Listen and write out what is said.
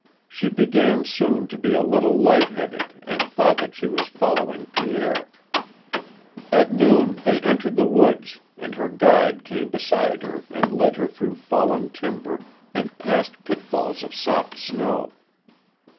She began soon to be a little light headed and thought that she was following Pierre. At noon they entered the woods, and her guide came beside her and led her through fallen timber and past pitfalls of soft snow.